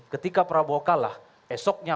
ketika prabowo kalah esoknya